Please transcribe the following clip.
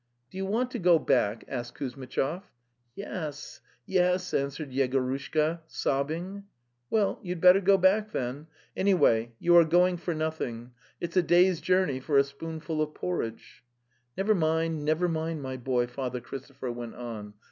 " Do you want to go back?" asked Kuzmitchov. "Yes... yes, ... answered Yegorushka, sobbing. "Well, you'd better go back then. Anyway, you are going for nothing; it's a day's journey for a spoonful of porridge." "Neyer mind, never mind, my boy,' Father Christopher went on.